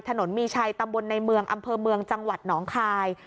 ถนนมีชัยตำบลในเมืองอำเภอเมืองจังหวัดหนองคาย